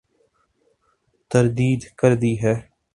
تردید کر دی ہے ۔